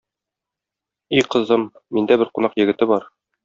И кызым, миндә бер кунак егете бар.